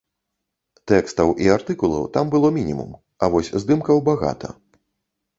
Тэкстаў і артыкулаў там было мінімум, а вось здымкаў багата.